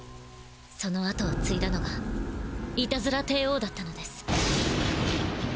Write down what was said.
そのあとをついだのがいたずら帝王だったのです。